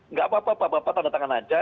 enggak apa apa pak pak tanda tangan saja